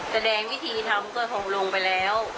แต่แดงวิธีทำก็ลงไปแล้ว